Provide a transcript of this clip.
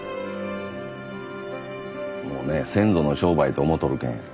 もうね先祖の商売と思うとるけん。